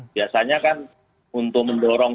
biasanya kan untuk mendorong